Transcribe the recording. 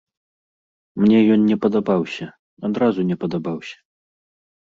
Мне ён не падабаўся, адразу не падабаўся.